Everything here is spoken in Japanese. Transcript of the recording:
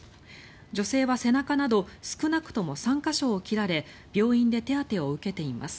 女性は背中など少なくとも３か所を切られ病院で手当てを受けています。